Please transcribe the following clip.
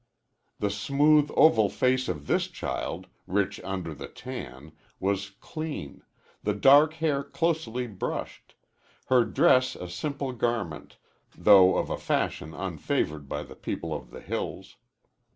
The smooth, oval face of this child, rich under the tan, was clean, the dark hair closely brushed her dress a simple garment, though of a fashion unfavored by the people of the hills.